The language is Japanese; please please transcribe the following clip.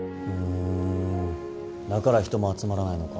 うんだから人も集まらないのか。